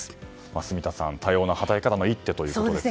住田さん、多様な働き方の一手ということですね。